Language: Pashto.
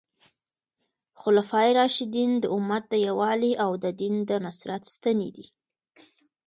خلفای راشدین د امت د یووالي او د دین د نصرت ستنې دي.